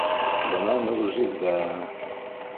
Бына мөғжизә!